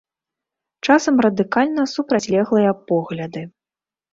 Часам радыкальна супрацьлеглыя погляды.